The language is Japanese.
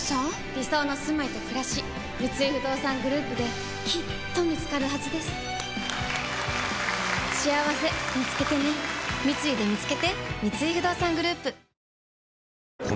理想のすまいとくらし三井不動産グループできっと見つかるはずですしあわせみつけてね三井でみつけてＬｅｏｎａｒｄｏ！